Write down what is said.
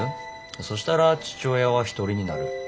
そしたら父親は一人になる。